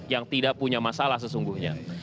yang tidak punya masalah sesungguhnya